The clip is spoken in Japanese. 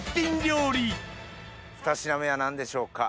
ふた品目は何でしょうか？